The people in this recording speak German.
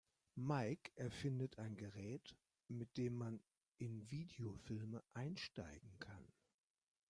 Mike erfindet ein Gerät, mit dem man in Videofilme „einsteigen“ kann.